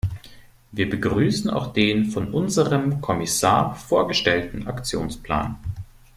Wir begrüßen auch den von unserem Kommissar vorgestellten Aktionsplan.